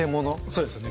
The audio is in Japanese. そうですよね